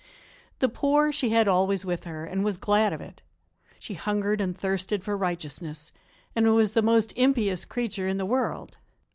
The poor she had always with her, and was glad of it. She hungered and thirsted for righteousness; and was the most impious creature in the world.